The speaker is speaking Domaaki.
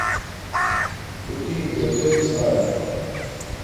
تݸ ٹݵم کݵپٹݵن چھݳئَکݳ؟